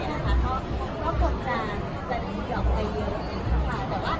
เขาต้องเป็นส่วนแต่ตัวเองก็ต้องเป็นส่วน